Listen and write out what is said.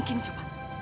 kamu punya kaca kan man